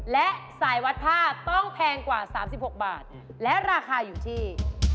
และสายวัดผ้าต้องแพงกว่า๓๖บาทและราคาอยู่ที่